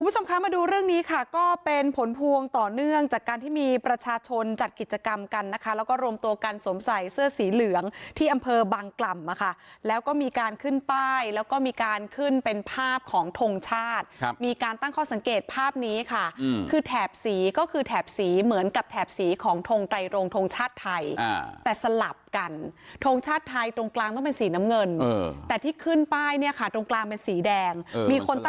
ผู้ชมคะมาดูเรื่องนี้ค่ะก็เป็นผลพวงต่อเนื่องจากการที่มีประชาชนจัดกิจกรรมกันนะคะแล้วก็รวมตัวกันสวมใสเสื้อสีเหลืองที่อำเภอบางกล่ำค่ะแล้วก็มีการขึ้นป้ายแล้วก็มีการขึ้นเป็นภาพของทงชาติครับมีการตั้งข้อสังเกตภาพนี้ค่ะอืมคือแถบสีก็คือแถบสีเหมือนกับแถบสีของทงไตรงทงชาติไท